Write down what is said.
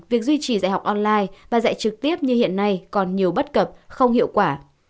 việc duy trì dạy học online và dạy trực tiếp như hiện nay còn nhiều bất cập không hiệu quả